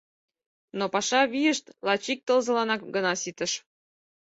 Но паша вийышт лач ик тылзыланак гына ситыш.